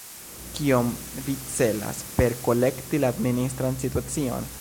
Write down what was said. Kion vi celas per ”korekti la administran situacion”?